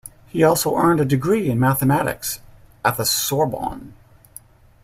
He also earned a degree in mathematics at the Sorbonne.